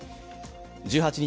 １８日